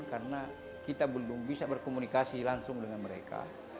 karena kita belum bisa berkomunikasi langsung dengan mereka